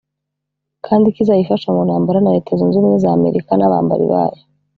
kandi ko izayifasha mu ntambara na Leta Zunze Ubumwe za Amerika n’abambari bayo